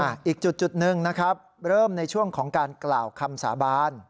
อีกจุดหนึ่งนะครับเริ่มในช่วงของการกล่าวคำสาบาน